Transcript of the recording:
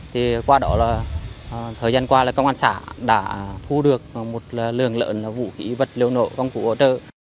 thời gian qua công an xã đã thu được một lượng lượng vũ khí vật liệu nổ công cụ hỗ trợ